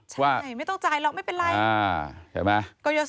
ใช่ไม่ต้องจ่ายหรอกไม่เป็นไร